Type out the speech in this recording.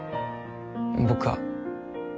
僕は。